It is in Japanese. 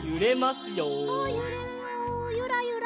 ゆれるよゆらゆら。